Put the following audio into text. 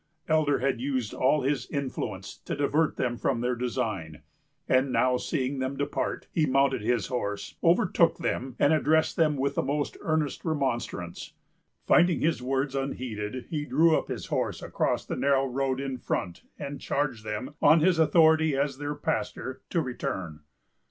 Elder had used all his influence to divert them from their design; and now, seeing them depart, he mounted his horse, overtook them, and addressed them with the most earnest remonstrance. Finding his words unheeded, he drew up his horse across the narrow road in front, and charged them, on his authority as their pastor, to return.